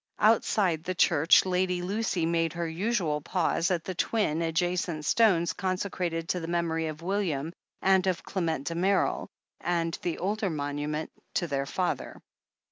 Outside the church Lady Lucy made her usual pause at the twin adjacent stones consecrated to the memory of William and of Clement Damerel, and the older monument to their father.